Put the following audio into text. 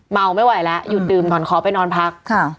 เมาไม่ไหวแล้วหยุดดื่มก่อนขอไปนอนพัก